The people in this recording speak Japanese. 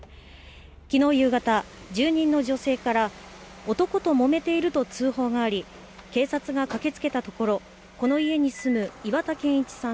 きのう夕方、住人の女性から、男ともめていると通報があり、警察が駆けつけたところ、この家に住む岩田健一さん